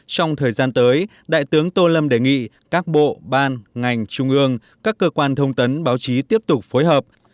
trong thời gian tới đại tướng tô lâm đề nghị các bộ ban ngành trung ương các cơ quan thông tấn báo chí tiếp tục phối hợp